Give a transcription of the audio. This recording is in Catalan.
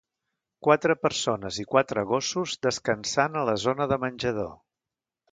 Quatre persones i quatre gossos descansant a la zona de menjador.